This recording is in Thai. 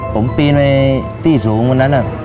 ผมปีนไปที่สูงเมื่อนั้น